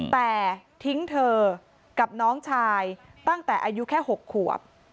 แต่ทิ้งเธอกับน้องชายตั้งแต่อายุแค่๖ขวบ